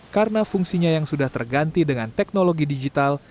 karena fungsinya yang sudah terganti dengan teknologi digital